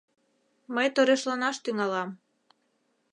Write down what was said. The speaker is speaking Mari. Мый торешланаш тӱҥалам!..”